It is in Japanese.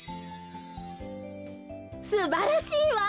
すばらしいわ！